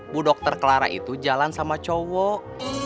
bu dokter clara itu jalan sama cowok